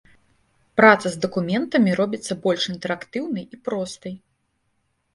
Праца з дакументамі робіцца больш інтэрактыўнай і простай.